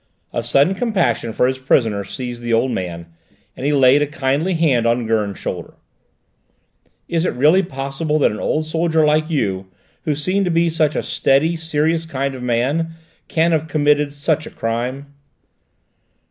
A sudden compassion for his prisoner seized the old man, and he laid a kindly hand on Gurn's shoulder. "Is it really possible that an old soldier like you, who seem to be such a steady, serious, kind of man, can have committed such a crime?"